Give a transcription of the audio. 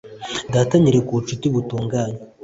Data anyereka ubucuti butunganye